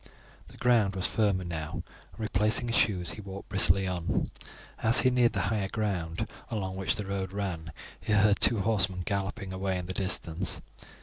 The ground was firmer now, and, replacing his shoes, he walked briskly on. As he neared the higher ground along which the road ran he heard two horsemen galloping away in the distance.